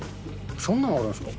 そんなのあるんですか。